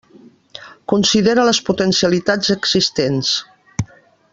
Considera les potencialitats existents.